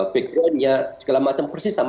background nya segala macam persis sama